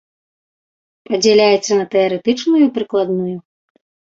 Падзяляецца на тэарэтычную і прыкладную.